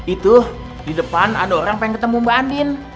itu di depan ada orang pengen ketemu mbak andin